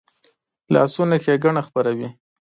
لاسونه ښېګڼه خپروي